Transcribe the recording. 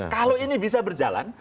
kalau ini bisa berjalan